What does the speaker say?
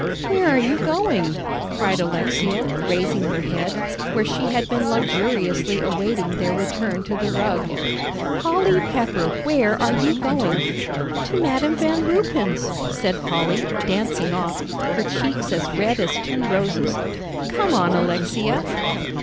"Where are you going?" cried Alexia, raising her head, where she had been luxuriously awaiting their return to the rug. "Polly Pepper, where are you going?" "To Madam Van Ruypen's," said Polly, dancing off, her cheeks as red as two roses. "Come on, Alexia."